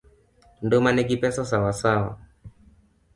Nduma nigi pesa sawasawa.